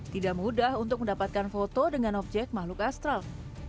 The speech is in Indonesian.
tidak mudah untuk mendapatkan foto dengan objek makhluk astral